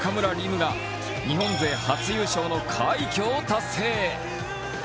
夢が日本勢初優勝の快挙を達成。